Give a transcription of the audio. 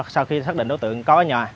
sau khi xác định đối tượng có ở nhà